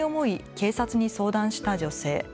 警察に相談した女性。